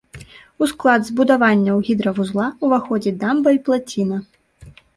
У склад збудаванняў гідравузла ўваходзяць дамба і плаціна.